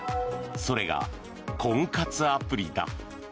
それが、婚活アプリだ。